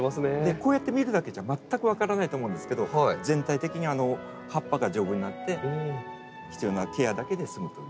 こうやって見るだけじゃ全く分からないと思うんですけど全体的に葉っぱが丈夫になって必要なケアだけで済むというね。